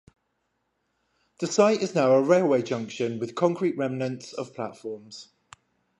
The site is now a railway junction with concrete remnants of platforms.